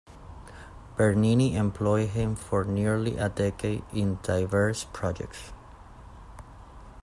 Bernini employed him for nearly a decade in diverse projects.